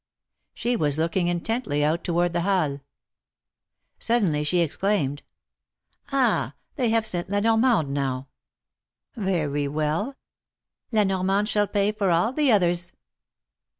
She was looking intently out toward the Halles. Suddenly, she exclaimed : ^^Ah ! they have sent ^ La Norraande,' now. Very well; La Normande shall pay for all the others